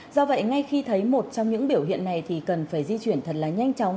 do vậy ngay khi thấy một trong những biểu hiện này thì cần phải di chuyển thật là nhanh chóng